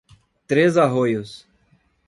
Três Arroios